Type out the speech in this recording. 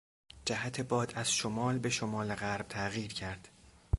جهت باد از شمال به شمال غرب تغییر کرد.